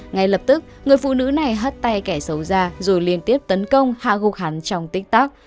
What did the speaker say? ngay lập tức người phụ nữ này hắt tay kẻ xấu ra rồi liên tiếp tấn công hạ gụ hắn trong tích tắc